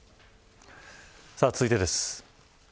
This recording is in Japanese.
続いてです。